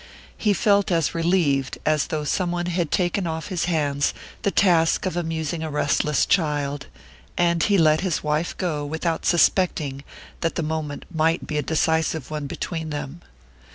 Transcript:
He felt as relieved as though some one had taken off his hands the task of amusing a restless child, and he let his wife go without suspecting that the moment might be a decisive one between them.